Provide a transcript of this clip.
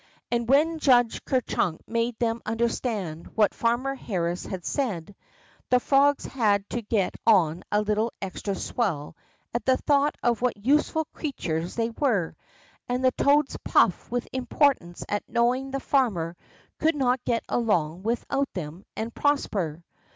And when Judge Ker Chunk made them understand what Farmer Harris had said, the frogs had to get on a little extra swell at the thought of what useful creatures they were, and the toads puffed with importance at knowing the farmer could not get along without them and prosper.